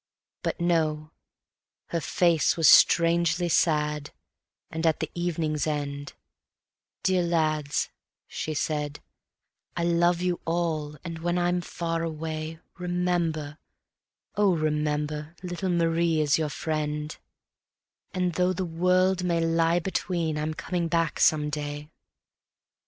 But no, her face was strangely sad, and at the evening's end: "Dear lads," she said; "I love you all, and when I'm far away, Remember, oh, remember, little Marie is your friend, And though the world may lie between, I'm coming back some day."